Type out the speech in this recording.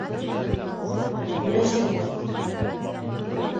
Һөйләшербеҙ.